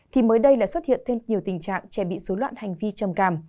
thì mới đây lại xuất hiện thêm nhiều tình trạng trẻ bị dối loạn hành vi chầm càm